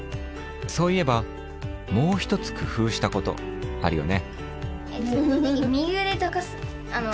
そういえばもう一つ工夫したことあるよね。